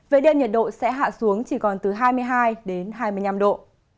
về đêm nhiệt độ sẽ hạ xuống chỉ còn từ hai mươi hai đến hai mươi năm độ